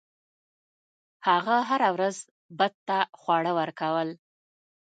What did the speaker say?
هغه هره ورځ بت ته خواړه ورکول.